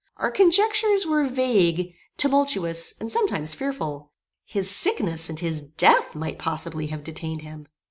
Our conjectures were vague, tumultuous, and sometimes fearful. His sickness and his death might possibly have detained him.